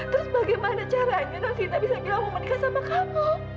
terus bagaimana caranya novita bisa bilang kamu menikah sama kamu